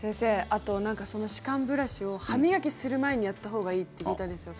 あと、その歯間ブラシを歯磨きする前にやったほうがいいって聞いたんですよ。